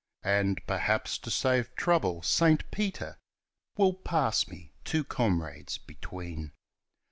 And. perhaps, to save trouble, Saint Peter Will pass me, two comrades between.